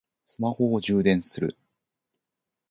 スマホを充電する